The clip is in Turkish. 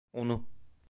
Onu...